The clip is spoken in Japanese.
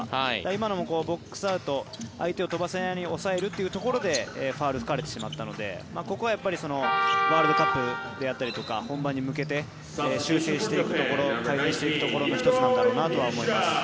今のもボックスアウト相手を飛ばせないように抑えるというところでファウルを吹かれてしまったのでここはワールドカップであったり本番に向けて修正していくところ改善していくところの１つなんだろうなとは思います。